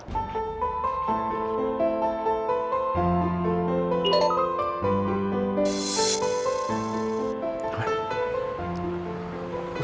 telfonnya udah diangkat